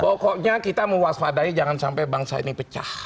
pokoknya kita mewaspadai jangan sampai bangsa ini pecah